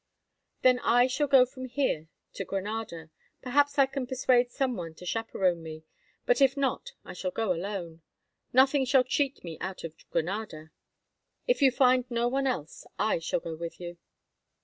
"Then I shall go from here to Granada. Perhaps I can persuade some one to chaperon me, but if not I shall go alone. Nothing shall cheat me out of Granada." "If you find no one else I shall go with you."